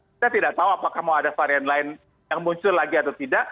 kita tidak tahu apakah mau ada varian lain yang muncul lagi atau tidak